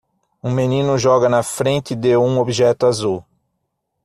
Um menino joga na frente de um objeto azul.